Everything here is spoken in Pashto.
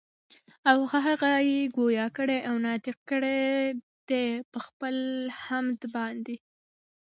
او هغه ئي ګویا کړي او ناطق کړي دي پخپل حَمد باندي